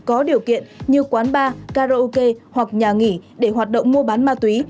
có điều kiện như quán bar karaoke hoặc nhà nghỉ để hoạt động mua bán ma túy